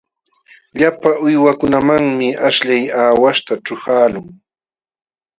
Llapa uywankunamanmi aśhllay aawaśhta ćhuqaqlun.